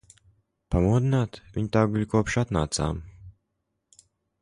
Pamodināt? Viņa tā guļ, kopš atnācām.